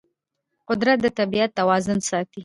قدرت د طبیعت توازن ساتي.